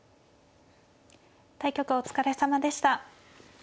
対局お疲れさまでした。